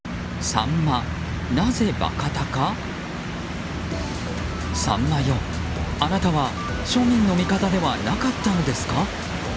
サンマよ、あなたは庶民の味方ではなかったのですか。